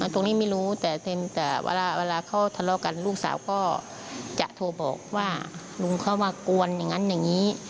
ตรงนี้ไม่รู้แต่เวลาเขาทะเลาะกันลูกสาวก็จะโทรบอกว่าลุงเขามากวนอย่างนั้นอย่างนี้